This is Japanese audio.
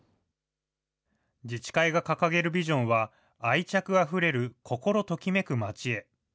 自治会が掲げるビジョンは、愛着あふれる心ときめく街へ。